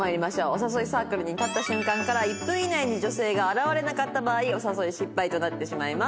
お誘いサークルに立った瞬間から１分以内に女性が現れなかった場合お誘い失敗となってしまいます。